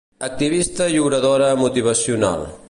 Activista i oradora motivacional.